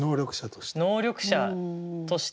能力者として？